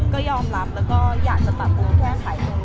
ก็ยอมรับแล้วก็อยากจะปรับปรุงแก้ไขตรงนี้